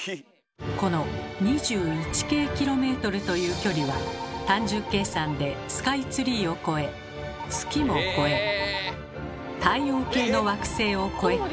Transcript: この２１京ｋｍという距離は単純計算でスカイツリーを超え月も超え太陽系の惑星を超えて。